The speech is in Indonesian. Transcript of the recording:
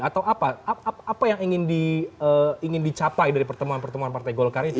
atau apa yang ingin dicapai dari pertemuan pertemuan partai golkar itu